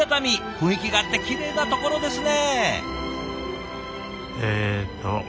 雰囲気があってきれいなところですね。